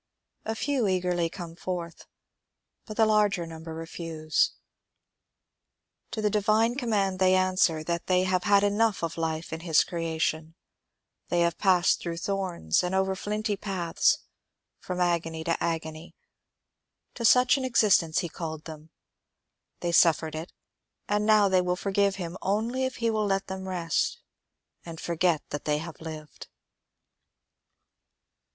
A few eagerly come forth, but the larger number refuse. To the divine command they answer, that they have had enough of life in his creation ; they have passed through thorns, and over flinty paths — from agony to agony. To such an exist ence he called them — they suffered it ; and now they will forgive him only if he will let them rest and forget that they have lived.